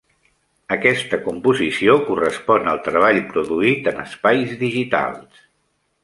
Aquesta composició correspon al treball produït en espais digitals.